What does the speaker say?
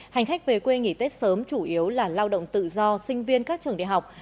hành khách về quê nghỉ tết sớm chủ yếu là lao động tự do sinh viên các trường đại học